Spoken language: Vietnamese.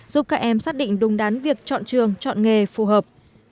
giúp các em xác định đúng đán việc chọn trường chọn nghề phù hợp